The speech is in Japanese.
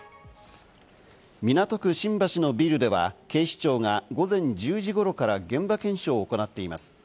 港区・新橋のビルでは、警視庁が午前１０時ごろから現場検証を行っています。